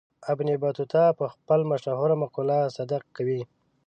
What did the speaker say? ابن بطوطه په حق کې مشهوره مقوله صدق کوي.